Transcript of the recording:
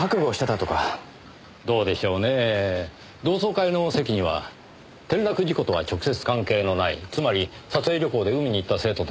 どうでしょうねぇ同窓会の席には転落事故とは直接関係のないつまり撮影旅行で海に行った生徒たちもいました。